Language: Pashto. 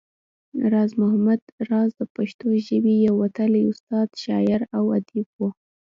راز محمد راز د پښتو ژبې يو وتلی استاد، شاعر او اديب وو